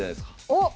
おっ！